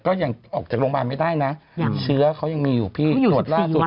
ออกจากโรงพยาบาลไม่ได้นะเชื้อเขายังมีอยู่พี่ตรวจล่าสุด